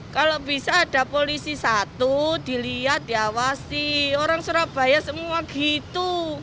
kalau bisa ada polisi satu dilihat diawasi orang surabaya semua gitu